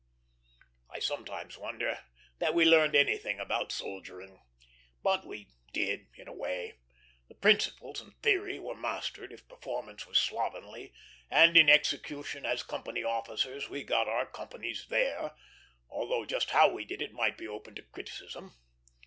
I sometimes wonder that we learned anything about "soldiering," but we did in a way. The principles and theory were mastered, if performance was slovenly; and in execution, as company officers, we got our companies "there," although just how we did it might be open to criticism.